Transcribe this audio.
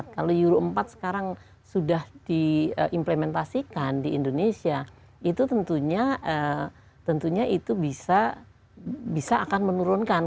kalau euro empat sekarang sudah diimplementasikan di indonesia itu tentunya itu bisa akan menurunkan